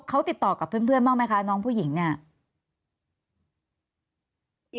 เขาติดต่อกับเพื่อนบ้างไหมคะน้องผู้หญิงเนี่ย